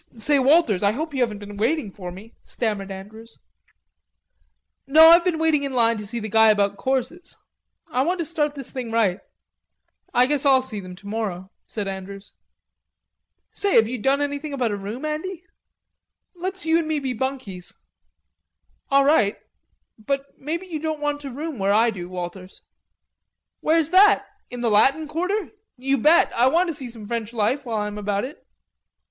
"Say, Walters, I hope you haven't been waiting for me," stammered Andrews. "No, I've been waiting in line to see the guy about courses.... I want to start this thing right." "I guess I'll see them tomorrow," said Andrews. "Say have you done anything about a room, Andy? Let's you and me be bunkies." "All right.... But maybe you won't want to room where I do, Walters." "Where's that? In the Latin Quarter?... You bet. I want to see some French life while I am about it."